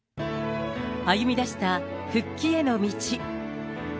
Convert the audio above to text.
歩み出した復帰への道。